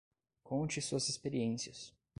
Conte suas experiências.